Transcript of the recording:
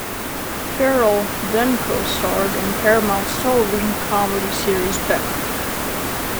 Farrell then co-starred on Paramount's television comedy series "Becker".